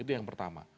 itu yang pertama